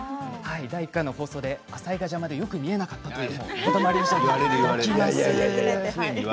第１回の放送で浅井が邪魔でよく見えなかったということばもありました。